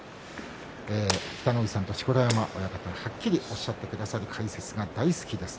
北の富士さんと錣山親方はっきりおっしゃってくださる解説が大好きです